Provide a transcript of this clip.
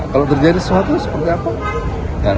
kalau terjadi sesuatu seperti apa